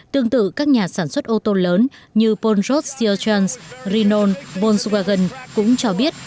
tương tự các nhà sản xuất ô tô lớn như pondros siltrans renone volkswagen cũng cho biết